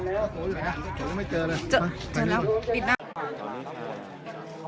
มีผู้ที่ได้รับบาดเจ็บและถูกนำตัวส่งโรงพยาบาลเป็นผู้หญิงวัยกลางคน